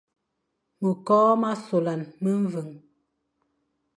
Mekokh ma sola meveñ,